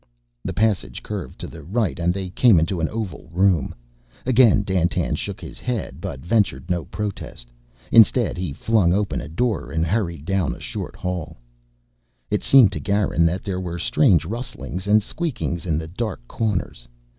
The passage curved to the right and they came into an oval room. Again Dandtan shook his head but ventured no protest. Instead he flung open a door and hurried down a short hall. It seemed to Garin that there were strange rustlings and squeakings in the dark corners.